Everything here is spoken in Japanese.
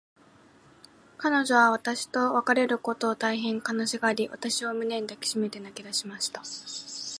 彼女は私と別れることを、大へん悲しがり、私を胸に抱きしめて泣きだしました。